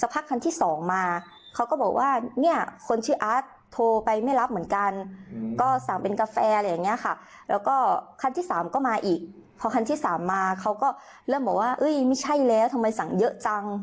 พอคันที่๓มาเขาก็เริ่มบอกว่าไม่ใช่แล้วทำไมสั่งเยอะจัง